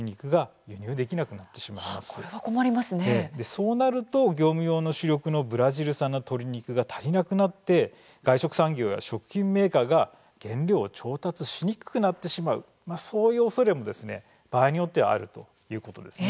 そうなると業務用の主力のブラジル産の鶏肉が足りなくなって外食産業や食品メーカーが原料を調達しにくくなってしまうそういうおそれも場合によってはあるということですね。